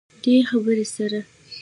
دې خبرې سره